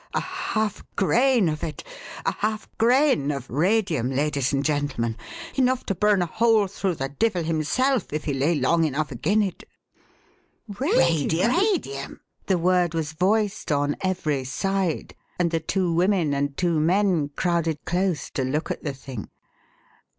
A half grain of it a half grain of radium, ladies and gentlemen enough to burn a hole through the divvle himself, if he lay long enough agin it." "Radium!" The word was voiced on every side, and the two women and two men crowded close to look at the thing.